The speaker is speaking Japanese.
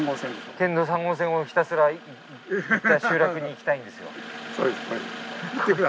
県道３号線をひたすら行った集落に行きたいんですよ。